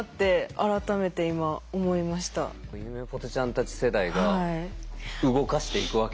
ゆめぽてちゃんたち世代が動かしていくわけですよ。